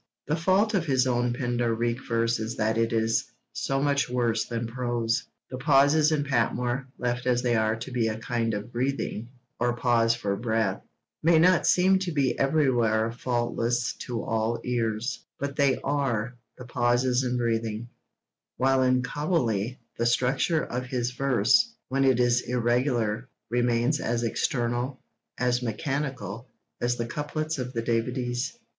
The fault of his own 'Pindarique' verse is that it is so much worse than prose. The pauses in Patmore, left as they are to be a kind of breathing, or pause for breath, may not seem to be everywhere faultless to all ears; but they are the pauses in breathing, while in Cowley the structure of his verse, when it is irregular, remains as external, as mechanical, as the couplets of the Davideis.